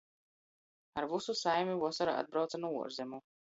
Ar vysu saimi vosorā atbrauce nu uorzemu.